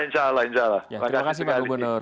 terima kasih pak gubernur